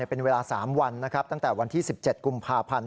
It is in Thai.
เป็นเวลา๓วันนะครับตั้งแต่วันที่๑๗กุมภาพันธ์